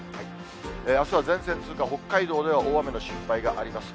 あすは前線通過、北海道では大雨の心配があります。